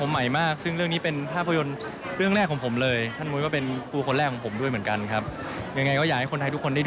ให้มันทันสมัยขึ้น